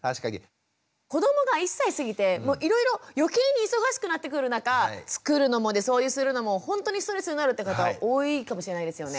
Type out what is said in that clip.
子どもが１歳過ぎていろいろ余計に忙しくなってくる中作るのも掃除するのもほんとにストレスになるって方多いかもしれないですよね。